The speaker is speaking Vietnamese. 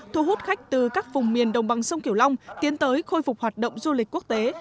thu hút khách từ các vùng miền đồng bằng sông kiểu long tiến tới khôi phục hoạt động du lịch quốc tế